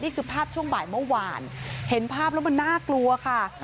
นี่คือภาพช่วงบ่ายเมื่อวานเห็นภาพแล้วมันน่ากลัวค่ะ